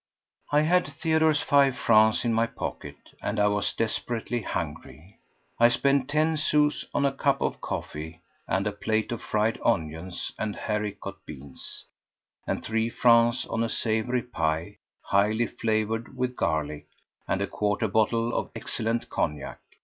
I had Theodore's five francs in my pocket, and I was desperately hungry. I spent ten sous on a cup of coffee and a plate of fried onions and haricot beans, and three francs on a savoury pie, highly flavoured with garlic, and a quarter bottle of excellent cognac.